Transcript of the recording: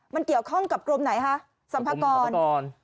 มันเกี่ยวข้องกับกรมไหนคะสัมภาคมสัมภาคม